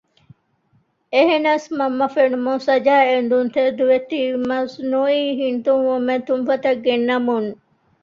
އެހެނަސް މަންމަ ފެނުމުން ސަޖާ އެނދުންތެދުވެތީ މަސްނުއީ ހިނިތުންވުމެއް ތުންފަތަށް ގެންނަމުން